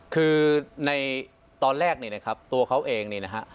คือในตอนแรกตัวเขาเอง